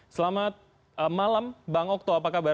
selamat malam bang okto apa kabar